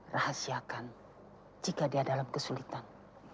rahasiakan jika dia dalam kesulitan